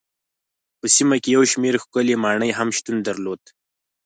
په سیمه کې یو شمېر ښکلې ماڼۍ هم شتون درلود.